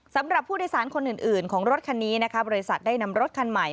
สำหรับผู้โดยสารคนอื่นของรถคันนี้นะคะบริษัทได้นำรถคันใหม่